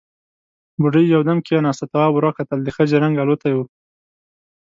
بوډۍ يودم کېناسته، تواب ور وکتل، د ښځې رنګ الوتی و.